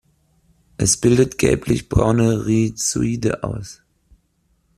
Es bildet gelblich braune Rhizoide aus.